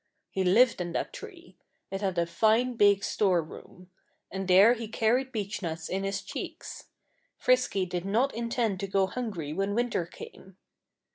He lived in that tree. It had a fine big storeroom. And there he carried beechnuts in his cheeks. Frisky did not intend to go hungry when winter came.